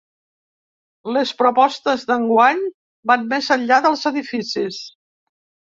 Les propostes d’enguany van més enllà dels edificis.